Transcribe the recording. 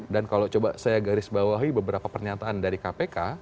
kalau coba saya garis bawahi beberapa pernyataan dari kpk